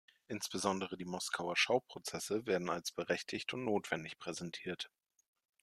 Insbesondere die Moskauer Schauprozesse werden als berechtigt und notwendig präsentiert.